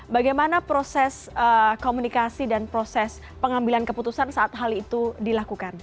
bagaimana proses komunikasi dan proses pengambilan keputusan saat hal itu dilakukan